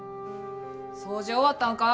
掃除終わったんか？